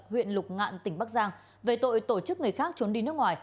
huyện lục ngạn tỉnh bắc giang về tội tổ chức người khác trốn đi nước ngoài